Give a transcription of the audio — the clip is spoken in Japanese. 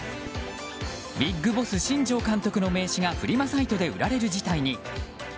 ビッグボス新庄監督の名刺がフリマサイトで売られる事態に。